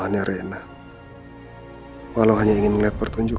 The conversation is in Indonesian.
katanya nilai ada tiga ultra sukasi m dengan hanya empat uchek valtel sulit